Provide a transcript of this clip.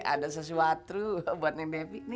ada sesuatu buat neng bebi